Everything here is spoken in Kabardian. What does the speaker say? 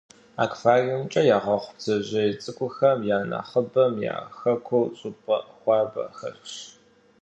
Аквариумкӏэ ягъэхъу бдзэжьей цӏыкӏухэм я нэхъыбэм я хэкур щӏыпӏэ хуабэхэрщ.